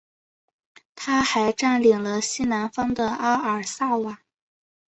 他还占领了西南方的阿尔萨瓦。